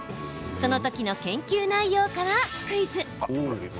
その時の研究内容からクイズ。